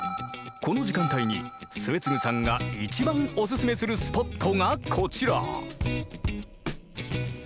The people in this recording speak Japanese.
この時間帯に末續さんが一番おすすめするスポットがこちら。